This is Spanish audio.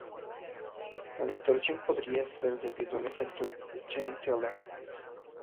Tal distorsión podría ser debido al efecto Jahn-Teller.